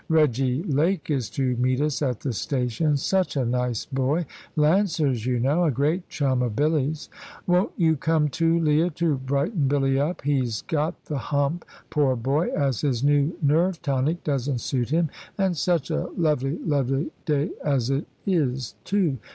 Reggy Lake is to meet us at the station; such a nice boy Lancers, you know a great chum of Billy's. Won't you come too, Leah, to brighten Billy up? He's got the hump, poor boy, as his new nerve tonic doesn't suit him, and such a lovely, lovely day as it is too.